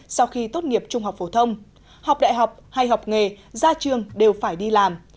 sau khi tốt nghiệp trung học phổ thông học đại học hay học nghề ra trường đều phải đi làm